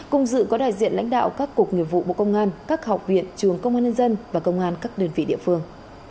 cùng dự có đại diện lãnh đạo các cục nghiệp vụ bộ công an các học viện trường công an nhân dân và công an các đơn vị địa phương